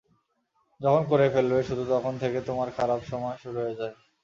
যখন করে ফেলবে শুধু তখন থেকে তোমার খারাপ সময় শুরু হয়ে যায়।